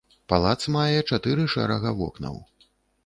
Палац мае чатыры шэрага вокнаў.